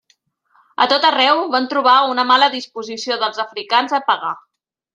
A tot arreu van trobar una mala disposició dels africans a pagar.